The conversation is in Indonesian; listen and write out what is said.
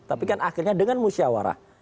tapi kan akhirnya dengan musyawarah